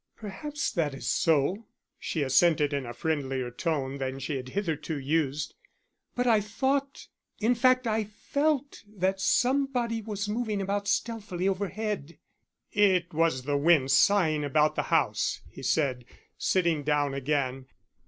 "Perhaps that is so," she assented in a friendlier tone than she had hitherto used. "But I thought in fact, I felt that somebody was moving about stealthily overhead." "It was the wind sighing about the house," he said, sitting down again.